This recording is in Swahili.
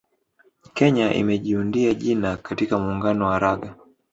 Kenya imejiundia jina katika muungano wa raga